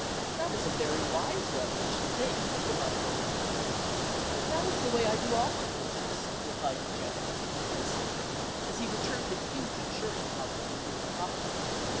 "That is a very wise way, I should think," remarked Lavinia. "That is the way I do all my business," replied the General, complacently, as he returned the huge insurance policy to his pocket.